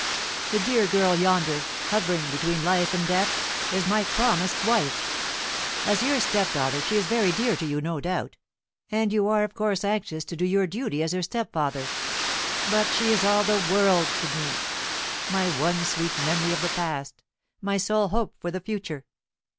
The dear girl yonder, hovering between life and death, is my promised wife. As your stepdaughter she is very dear to you, no doubt, and you are of course anxious to do your duty as her stepfather. But she is all the world to me my one sweet memory of the past, my sole hope for the future.